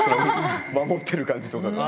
守ってる感じとかが。